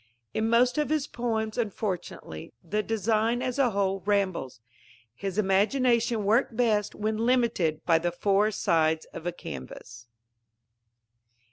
In most of his poems, unfortunately, the design, as a whole, rambles. His imagination worked best when limited by the four sides of a canvas.